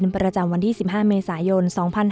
ประจำวันที่๑๕เมษายน๒๕๕๙